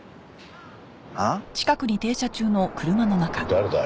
誰だ？